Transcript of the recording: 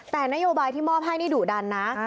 แต่นโยบายที่มอบให้นี่ดุดันนะ